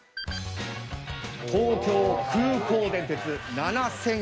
東京急行電鉄７０００系。